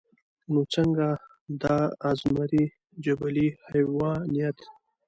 نو څنګه د ازمري جبلي حېوانيت